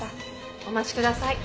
お待ちください。